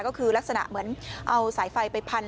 ก็คือลักษณะเหมือนเอาสายไฟไปพัน